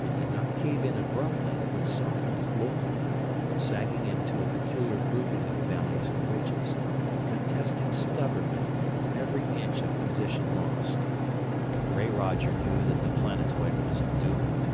It did not cave in abruptly, but softened locally, sagging into a peculiar grouping of valleys and ridges contesting stubbornly every inch of position lost. And gray Roger knew that the planetoid was doomed.